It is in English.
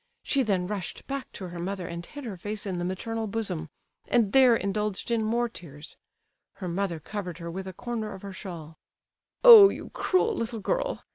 She then rushed back to her mother and hid her face in the maternal bosom, and there indulged in more tears. Her mother covered her with a corner of her shawl. "Oh, you cruel little girl!